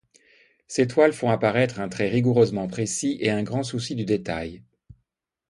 Ses toiles font apparaître un trait rigoureusement précis et un grand souci du détail.